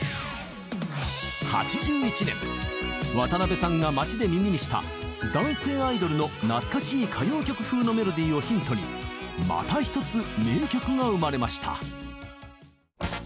８１年渡辺さんが街で耳にした男性アイドルの懐かしい歌謡曲風のメロディーをヒントにまた一つ名曲が生まれました。